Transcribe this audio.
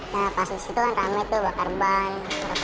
nah pas di situ kan rame tuh bakar ban